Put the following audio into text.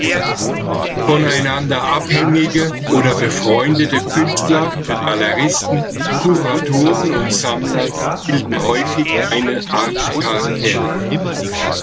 Voneinander abhängige oder befreundete Künstler, Galeristen, Kuratoren und Sammler bilden häufig eine Art Kartell.